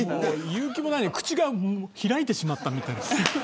言う気もない口が開いてしまったみたいな。